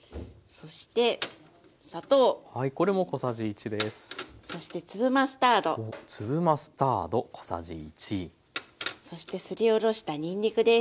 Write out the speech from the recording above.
そしてすりおろしたにんにくです。